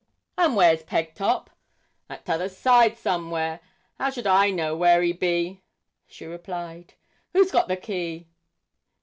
'And where's Pegtop?' 'At t'other side, somewhere; how should I know where he be?' she replied. 'Who's got the key?'